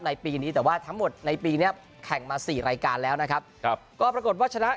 ปีนี้แต่ว่าทั้งหมดในปีเนี้ยแข่งมาสี่รายการแล้วนะครับครับก็ปรากฏว่าชนะ